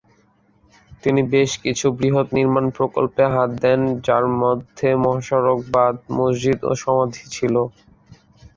তিনি বেশ কিছু বৃহৎ নির্মাণ প্রকল্পে হাত দেন যার মধ্যে মহাসড়ক, বাধ, মসজিদ ও সমাধি ছিল।